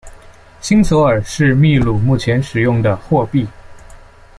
新索尔是秘鲁目前使用的货币。